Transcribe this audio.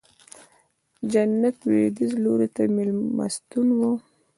جنوب لوېدیځ لوري ته مېلمستون و.